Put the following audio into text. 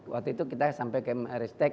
waktu itu kita sampai ke meristek